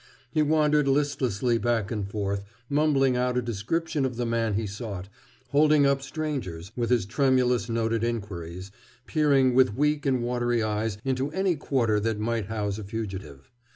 He wandered listlessly back and forth, mumbling out a description of the man he sought, holding up strangers with his tremulous noted inquiries, peering with weak and watery eyes into any quarter that might house a fugitive.